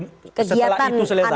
nah setelah itu selesai